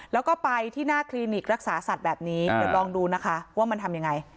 แล้วก็ไปที่หน้าคลินิกรักษาสัตว์แบบนี้เดี๋ยวลองดูนะคะว่ามันทำยังไง